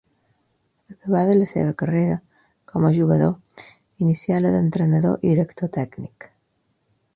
Acabada la seva carrera com a jugador inicià la d'entrenador i director tècnic.